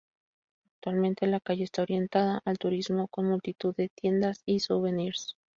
Actualmente la calle está orientada al turismo, con multitud de tiendas y "souvenirs".